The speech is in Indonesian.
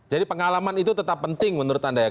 jadi pengalaman itu tetap penting menurut anda ya